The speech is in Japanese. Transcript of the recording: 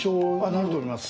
なると思います。